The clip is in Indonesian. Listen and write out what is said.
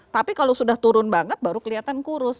tapi kalau sudah turun banget baru kelihatan kurus